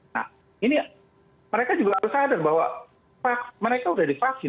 nah ini mereka juga harus sadar bahwa mereka sudah divaksin